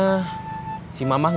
pertama kali nanti